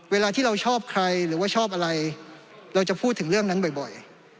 เวลาที่เราชอบใครหรือว่าชอบอะไรเราจะพูดถึงเรื่องนั้นบ่อย